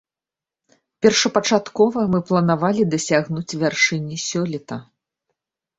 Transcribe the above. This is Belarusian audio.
Першапачаткова мы планавалі дасягнуць вяршыні сёлета.